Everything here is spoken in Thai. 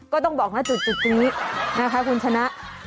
ก็ต้องบอกนะจุดนี้นะคะคุณชนะ